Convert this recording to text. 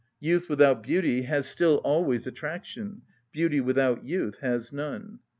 Youth without beauty has still always attraction; beauty without youth has none.